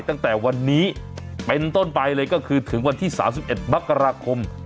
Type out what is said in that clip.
ตั้งแต่วันนี้เป็นต้นไปเลยก็คือถึงวันที่๓๑มกราคม